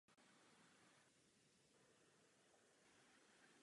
Příčina vzniku této fobie není zcela jasná.